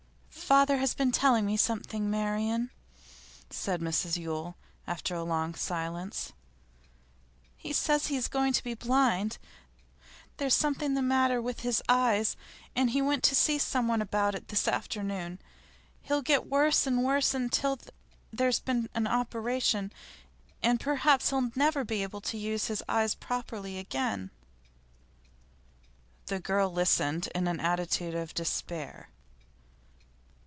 'Father has been telling me something, Marian,' said Mrs Yule after a long silence. 'He says he is going to be blind. There's something the matter with his eyes, and he went to see someone about it this afternoon. He'll get worse and worse, until there has been an operation; and perhaps he'll never be able to use his eyes properly again.' The girl listened in an attitude of despair.